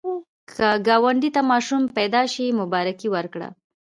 که ګاونډي ته ماشوم پیدا شي، مبارکي ورکړه